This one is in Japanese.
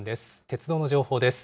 鉄道の情報です。